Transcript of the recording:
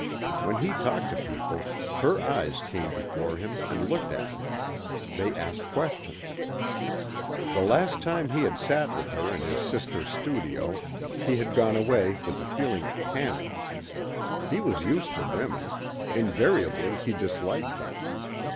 When he talked to people, her eyes came before him and looked at him. They asked questions. The last time he had sat with her in his sister's studio he had gone away with a feeling of panic. He was used to women. Invariably he disliked them.